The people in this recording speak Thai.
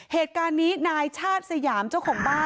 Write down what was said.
เหตุการณ์นี้นายชาติสยามเจ้าของบ้าน